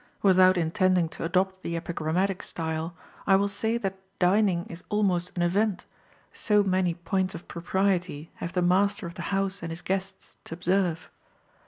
Without intending to adopt the epigrammatic style, I will say that dining is almost an event, so many points of propriety have the master of the house and his guests to observe.